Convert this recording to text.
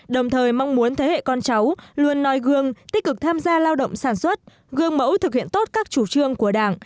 đồng thời mong muốn thế hệ con cháu luôn noi gương tích cực tham gia lao động sản xuất gương mẫu thực hiện tốt các chủ trương của đảng